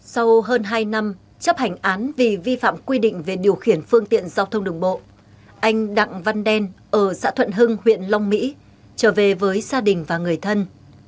sau hơn hai năm chấp hành án vì vi phạm quy định về điều khiển phương tiện giao thông đường bộ anh đặng văn đen ở xã thuận hưng huyện long mỹ trở về với gia đình và người thân